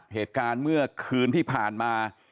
เหตุการณ์เมื่อคืนที่ผ่านมา